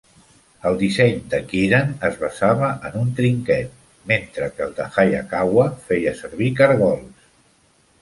El disseny de Keeran es basava en un trinquet, mentre que el de Hayakawa feia servir cargols.